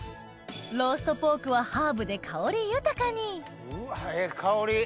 ローストポークはハーブで香り豊かにええ香り！